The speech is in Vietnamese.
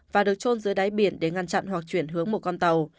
và được trôn dưới đáy biển để ngăn chặn hoặc chuyển hướng một con tàu